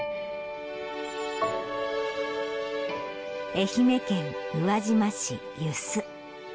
愛媛県宇和島市遊子。